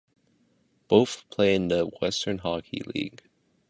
Both play in the Western Hockey League.